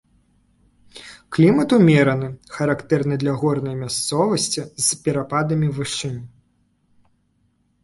Клімат умераны, характэрны для горнай мясцовасці з перападамі вышынь.